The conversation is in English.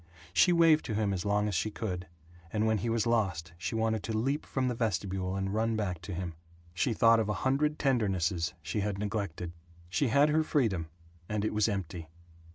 She waved to him as long as she could, and when he was lost she wanted to leap from the vestibule and run back to him. She thought of a hundred tendernesses she had neglected. She had her freedom, and it was empty.